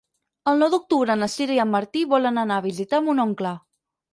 El nou d'octubre na Sira i en Martí volen anar a visitar mon oncle.